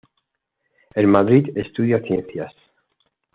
En Madrid estudia Ciencias.